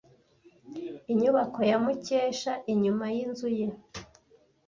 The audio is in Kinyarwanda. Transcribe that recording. Inyubako ya Mukesha inyuma yinzu ye.